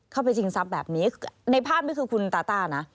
ไปชิงทรัพย์แบบนี้ในภาพนี้คือคุณตาต้านะ